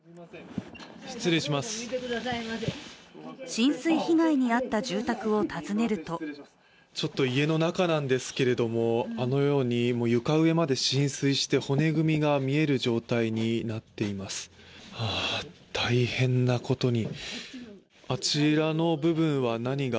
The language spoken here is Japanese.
浸水被害に遭った住宅を訪ねるとちょっと家の中なんですけれどもあのように、床上まで浸水して骨組みが見える状態になっていますああ、大変なことに。